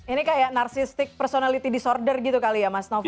ini kayak narsistik personality disorder gitu kali ya mas novi